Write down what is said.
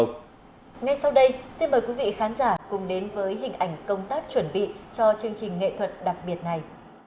ngay sau đây xin mời quý vị khán giả cùng đến với hình ảnh công tác chuẩn bị cho chương trình nghệ thuật đặc biệt này